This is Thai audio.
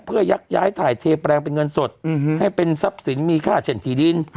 เพื่อยักย้ายถ่ายเทแปลงเป็นเงินสดให้เป็นทรัพย์สินมีค่าเช่นที่ดิน